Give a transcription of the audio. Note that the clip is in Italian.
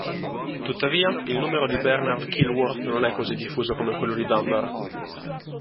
Tuttavia, il numero di Bernard-Killworth non è così diffuso come quello di Dunbar.